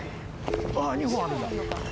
あぁ２本あるんだ。